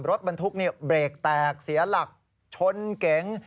รถบรรทุกเบรกแตกเสียหลักชนเก๋ง